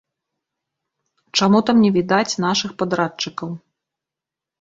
Чаму там не відаць нашых падрадчыкаў?